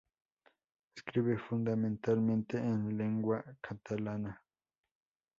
Escribe fundamentalmente en lengua catalana.